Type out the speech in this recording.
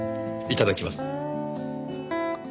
いただきます。